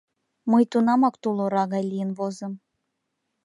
Мый тунамак тул ора гай лийын возым.